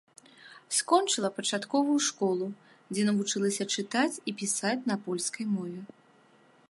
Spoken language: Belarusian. Скончыла пачатковую школу, дзе навучылася чытаць і пісаць на польскай мове.